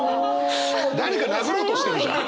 誰か殴ろうとしてるじゃん。